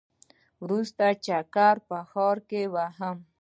وروستی چکر په ښار کې وهم.